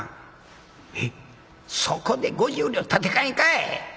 「そこで５０両立て替えんかい！